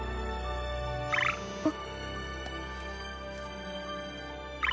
あっ。